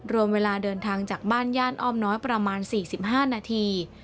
รวมเวลาเดินทางจากบ้านย่านอ้อมน้อยประมาณ๔๕นาที